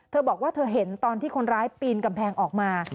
เธอบอกว่าเธอเห็นตอนที่คนร้ายปีนกำแพงออกมา